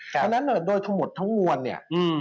เพราะฉะนั้นโดยทั้งหมดทั้งมวลเนี่ย